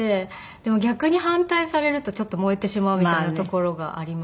でも逆に反対されるとちょっと燃えてしまうみたいなところがありまして。